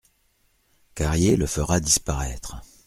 Carrier le fera disparaître.